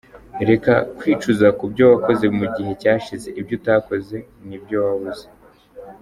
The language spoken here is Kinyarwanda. Reka kwicuza ku byo wakoze mu gihe cyashize, ibyo utakoze n’ibyo wabuze.